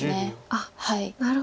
あっなるほど。